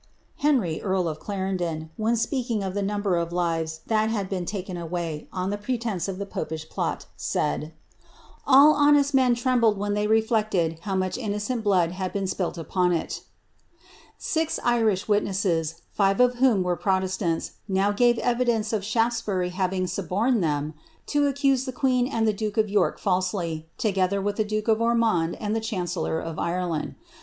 Henry, earl of Clarendon, when speaking of the iber of lives that had been taken away on the pretence of the popish '^ said, ^ All honest men trembled when they reflected how much >cent blood had been spilt upon it^' ix Irish witnesses, Ave of whom were protestants, now gave evidence Shaftesbury having suborned them to accuse the queen and the duke STork falsely, together with the duke of Ormond and the chancellor Ireland.